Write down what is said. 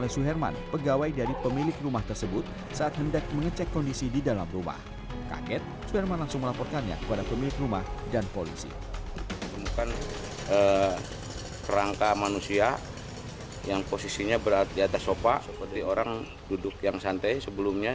seperti orang duduk yang santai sebelumnya